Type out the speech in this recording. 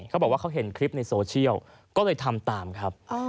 เขาบอกว่าเขาเห็นคลิปในโซเชียลก็เลยทำตามครับ